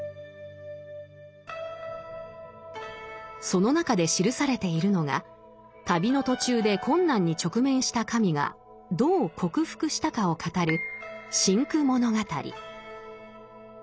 その中で記されているのが旅の途中で困難に直面した神がどう克服したかを語る「辛苦物語」。